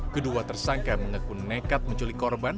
kedua tersangka mengaku nekat menculik korban